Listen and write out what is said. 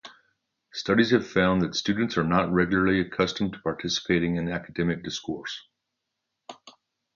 Studies have found that students are not regularly accustomed to participating in academic discourse.